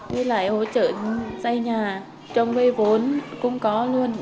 với lại hỗ trợ xây nhà trong vây vốn cũng có luôn